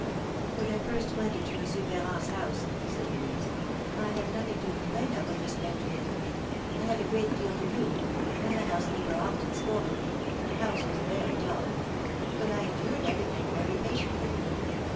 "When I first went into M. Ferrand's house," said Louise, "I had nothing to complain of with respect to him. I had a great deal to do, and the housekeeper often scolded me, and the house was very dull; but I endured everything very patiently.